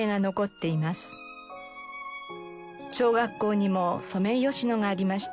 小学校にもソメイヨシノがありました。